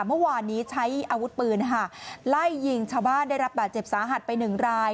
เมื่อวานนี้ใช้อาวุธปืนไล่ยิงชาวบ้านได้รับบาดเจ็บสาหัสไป๑ราย